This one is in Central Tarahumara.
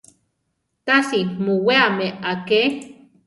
Tasi muweame aké.